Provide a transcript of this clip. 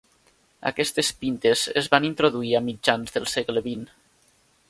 Aquestes pintes es van introduir a mitjans del segle XX.